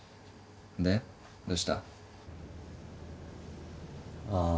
でどうした？ああ。